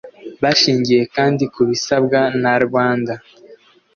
bashingiye kandi ku bisabwa na rwanda